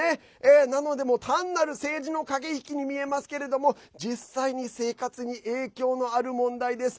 なので、単なる政治の駆け引きに見えますけど実際に生活に影響のある問題です。